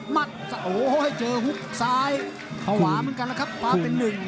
มัดโอ้โหให้เจอฮุกซ้ายภาวะเหมือนกันแล้วครับความเป็นหนึ่ง